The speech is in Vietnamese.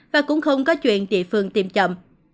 và cũng không có chuyện địa phương tiêm chậm